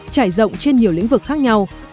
trải rộng trên nhiều lĩnh vực khác nhau